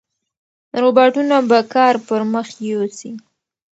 روباټونه به کار پرمخ یوسي.